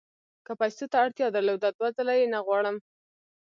که پیسو ته اړتیا درلوده دوه ځله یې نه غواړم.